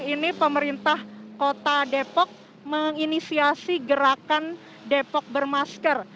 ini pemerintah kota depok menginisiasi gerakan depok bermasker